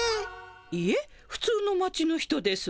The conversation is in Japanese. いえふつうの町の人ですわ。